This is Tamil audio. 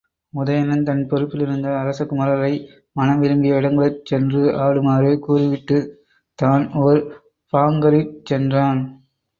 உதயணன் தன் பொறுப்பிலிருந்த அரசகுமரரை மனம் விரும்பிய இடங்களிற் சென்று ஆடுமாறு கூறிவிட்டுத் தான் ஒர் பாங்கரிற் சென்றான்.